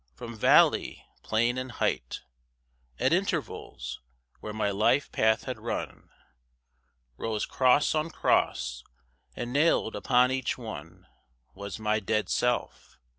From valley, plain, and height, At intervals, where my life path had run, Rose cross on cross; and nailed upon each one Was my dead self.